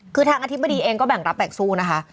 คือทางอธิบดีเองก็แบ่งรับแบ่งสู้นะคะ